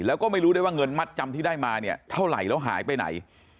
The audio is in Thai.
แล้วก็ไม่รู้ได้ว่าเงินมัดจำที่ได้มาเนี่ยเท่าไหร่แล้วหายไปไหน